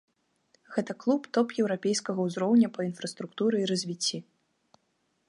Гэта клуб топ-еўрапейскага ўзроўня па інфраструктуры і развіцці.